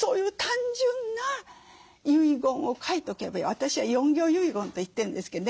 私は４行遺言と言ってるんですけどね。